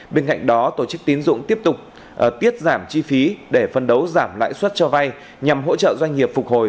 bên cạnh đó tổ chức tín dụng tiếp tục tiết giảm chi phí để phân đấu giảm lãi suất cho vay nhằm hỗ trợ doanh nghiệp phục hồi